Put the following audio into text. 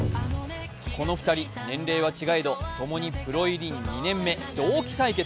この２人、年齢は違えど共にプロ入り２年目、同期対決。